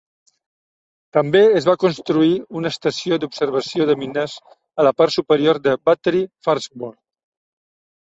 També es va construir una estació d'observació de mines a la part superior de Battery Farnsworth.